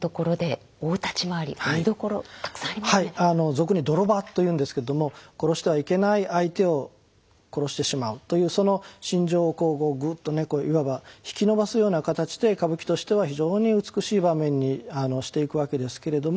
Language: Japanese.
俗に泥場と言うんですけれども殺してはいけない相手を殺してしまうというその心情をこうぐっといわば引き延ばすような形で歌舞伎としては非常に美しい場面にしていくわけですけれども。